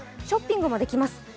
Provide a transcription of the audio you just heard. ショッピングもできます。